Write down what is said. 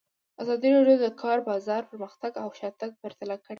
ازادي راډیو د د کار بازار پرمختګ او شاتګ پرتله کړی.